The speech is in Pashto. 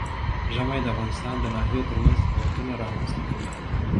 ژمی د افغانستان د ناحیو ترمنځ تفاوتونه رامنځ ته کوي.